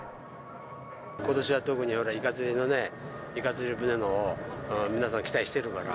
ことしは特にイカ釣りのね、イカ釣り船の皆さん、期待してるから。